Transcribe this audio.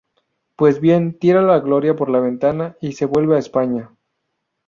Pues bien, tira la gloria por la ventana y se vuelve a España.